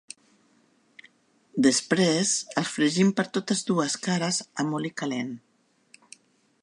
Després els fregim per totes dues cares amb oli calent.